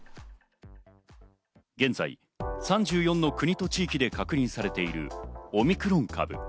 現在３４の国と地域で確認されているオミクロン株。